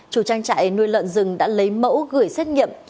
chủ trang trại nuôi lợn rừng đã lấy mẫu gửi xét nghiệm